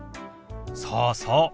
そうそう。